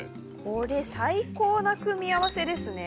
これ最高な組み合わせですね。